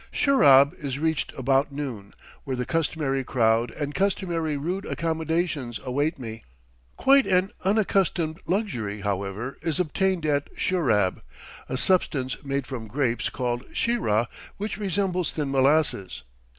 Shurab is reached about noon, where the customary crowd and customary rude accommodations await me. Quite an unaccustomed luxury, however, is obtained at Shurab a substance made from grapes, called sheerah, which resembles thin molasses.